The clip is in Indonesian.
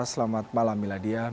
selamat malam miladiyarama